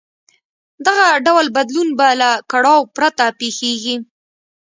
دغه ډول بدلون به له کړاو پرته پېښېږي.